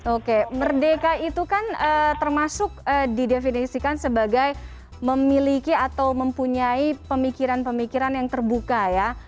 oke merdeka itu kan termasuk didefinisikan sebagai memiliki atau mempunyai pemikiran pemikiran yang terbuka ya